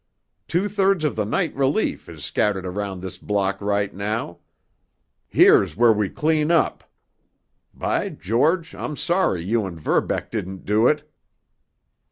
Two thirds of the night relief is scattered around this block right now. Here's where we clean up. By George, I'm sorry you and Verbeck didn't do it!"